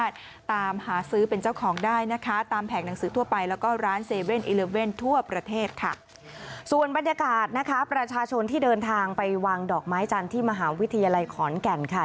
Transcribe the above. ทางไปวางดอกไม้จันทร์ที่มหาวิทยาลัยขอนแก่นค่ะ